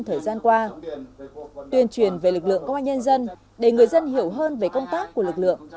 thời gian qua tuyên truyền về lực lượng công an nhân dân để người dân hiểu hơn về công tác của lực lượng